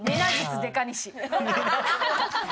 「でかにし」。